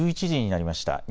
１１時になりました。